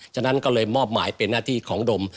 ฉะนั้นก็เลยมอบหมายเป็นหน้าที่ของดม